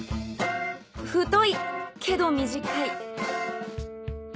太いけど短い。